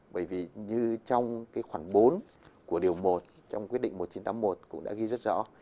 bởi vì như trong cái khoảng bốn của điều một trong quyết định một nghìn chín trăm tám mươi một cũng đã ghi rất rõ